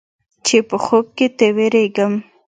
چې په خوب کې تې وېرېږم.